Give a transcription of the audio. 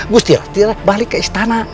gusti ratu balik ke istana